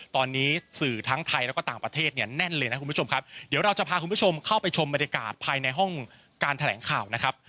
ตอนนี้สื่อทั้งไทยแล้วก็ต่างประเทศเนี่ยแน่นเลยนะคุณผู้ชมครับเดี๋ยวเราจะพาคุณผู้ชมเข้าไปชมบรรยากาศภายในห้องการแถลงข่าวนะครับ